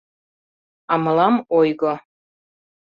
— А мылам ойго.